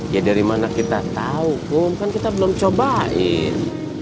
ya dari mana kita tahu pun kan kita belum cobain